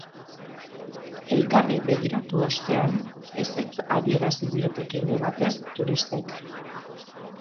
Elkarri begiratu ostean, ezetz adeirazi diote keinu batez turistek.